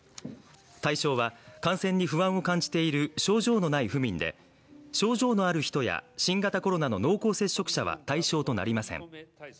対象は感染に不安を感じている症状のない府民で症状のある人や新型コロナの濃厚接触者は対象となりません